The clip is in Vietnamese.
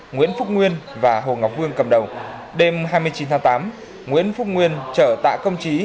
nguyễn phúc nguyên và hồ ngọc vương cầm đầu đêm hai mươi chín tháng tám nguyễn phúc nguyên chở tạ công trí